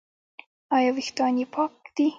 ایا ویښتان یې پاک دي؟